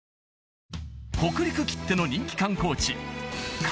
北陸きっての人気観光地